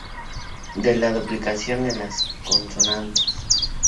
De la duplicación de las consonantes.